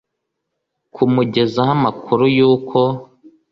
kumugezaho amakuru yuko